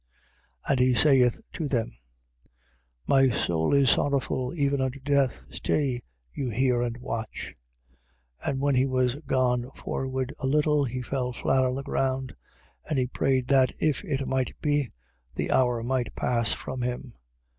14:34. And he saith to them: My soul is sorrowful even unto death. Stay you here and watch. 14:35. And when he was gone forward a little, he fell flat on the ground: and he prayed that, if it might be, the hour might pass from him.